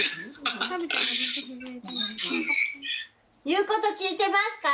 言うこと聞いてますか？